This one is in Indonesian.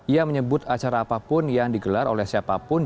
ia menyebut acara apapun yang digelar oleh siapapun